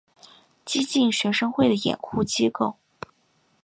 激进学生会的掩护机构。